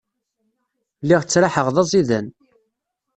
Lliɣ ttraḥeɣ d aẓidan.